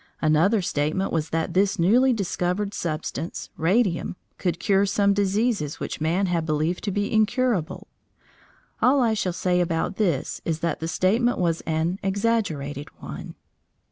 Another statement was that this newly discovered substance, radium, could cure some diseases which man had believed to be incurable. All I shall say about this is that the statement was an exaggerated one.